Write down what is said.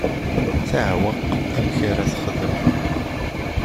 Teɛweq amek ara texdem.